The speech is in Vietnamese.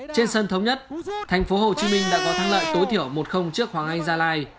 trên sân thống nhất thành phố hồ chí minh đã có thắng lợi tối thiểu một trước hoàng anh gia lai